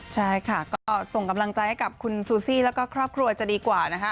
ใช่ค่ะก็ส่งกำลังใจให้กับคุณซูซี่แล้วก็ครอบครัวจะดีกว่านะคะ